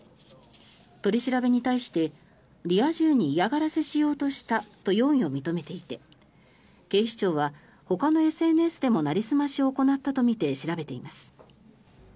取り調べに対してリア充に嫌がらせしようとしたと容疑を認めていて警視庁はほかのＳＮＳでもなりすましを行ったとみて調べています。